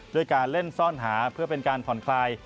ด้วยการเล่นซ่อนหาเพื่อเป็นการผ่อนคลาย